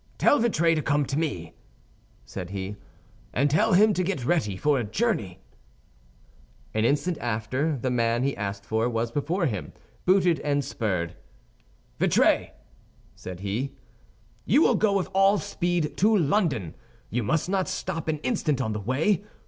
"Tell Vitray to come to me," said he, "and tell him to get ready for a journey." An instant after, the man he asked for was before him, booted and spurred. "Vitray," said he, "you will go with all speed to London. You must not stop an instant on the way.